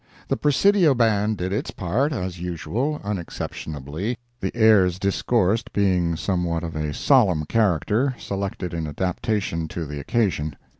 The Presidio Band did its part, as usual, unexceptionably, the airs discoursed being somewhat of a solemn character, selected in adaptation to the occasion.